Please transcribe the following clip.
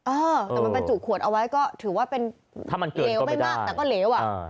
เออแต่มันบรรจุขวดเอาไว้ก็ถือว่าเป็นถ้ามันเหลวไม่มากแต่ก็เหลวอ่ะ